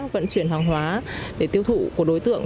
vận chuyển hàng hóa để tiêu thụ của đối tượng